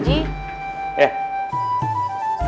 di sini sih zahl theroad